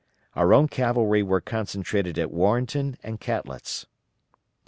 Our own cavalry were concentrated at Warrenton and Catlett's.